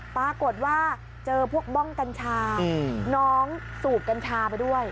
ปรากฏว่าเจอพวกบ้องกัญชาน้องสูบกัญชาไปด้วย